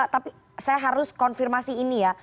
tapi saya harus konfirmasi ini ya